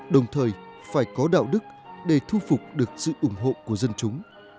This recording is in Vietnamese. đồng thời phải có đạo đức để thu phục được sự ủng hộ của dân chúng